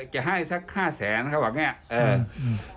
จะให้สัก๕แสนเขาบอกอย่างนี้